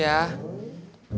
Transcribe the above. ya udah bang